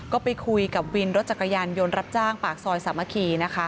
ก็ไปคุยกับวินรถจักรยานยนต์รับจ้างปากซอยสามัคคีนะคะ